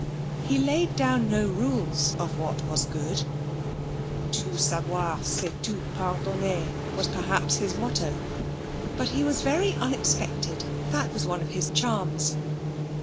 He laid down no rules of what was good. 'Tout savoir c'est tout pardonner' was perhaps his motto. But he was very unexpected; that was one of his charms.